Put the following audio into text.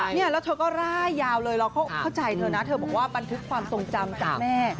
เนี่ยแล้วเธอก็ร่ายยาวเลยเราเข้าใจเธอนะเธอบอกว่าบันทึกความทรงจำจากแม่